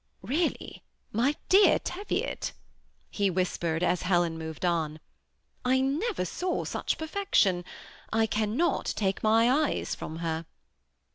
Really, my dear Teviot," he whispered as Helen moved on, '* I never saw such perfection. I cannot take my eyes from her."